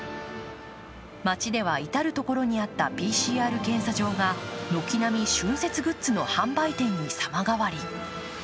街では、至る所にあったＰＣＲ検査場が軒並み春節グッズの販売店に様変わり。